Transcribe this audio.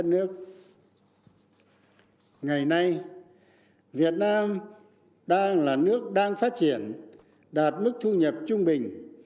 ngày nay việt nam đang là nước đang phát triển đạt mức thu nhập trung bình